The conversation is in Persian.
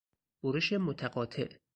برش متقاطع